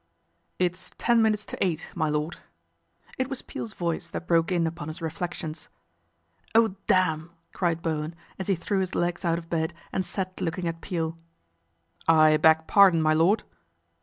" It's ten minutes to eight, my lord." It was Peel's voice that broke in upon his re flections. " Oh, damn !" cried Bowen as he threw his legs out of bed and sat looking at Peel. " I beg pardon, my lord